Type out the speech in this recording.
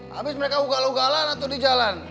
habis mereka ugal ugalan atau di jalan